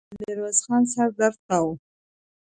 د ميرويس خان سر درد کاوه.